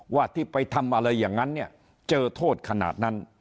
ว่าที่ไปทำอะไรอย่างนั้นเนี่ยเจอโทษขนาดนั้น